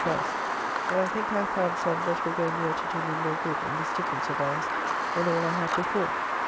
Trice, and I think I have found some that will go near to do me more good in this difference of ours than all I have before.